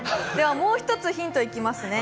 もう一つ、ヒントいきますね